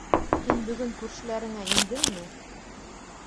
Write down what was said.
Һин бөгөн күршеләреңә индеңме?